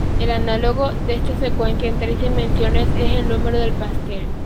El análogo de esta secuencia en tres dimensiones es el número del pastel.